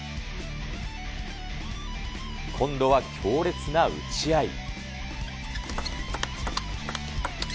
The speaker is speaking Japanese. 今度は強烈な打ち合い。